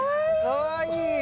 かわいい。